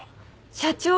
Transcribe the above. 社長。